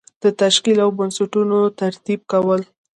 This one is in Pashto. د تشکیل او بستونو ترتیب کول.